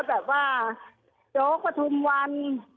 โดยแบบว่าโจทย์ประทุมวัน